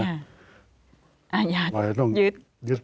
อาหารต้องยึด